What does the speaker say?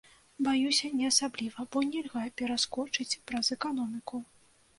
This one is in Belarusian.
Баюся, не асабліва, бо нельга пераскочыць праз эканоміку.